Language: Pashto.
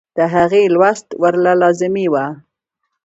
د هغې لوست ورله لازمي وۀ -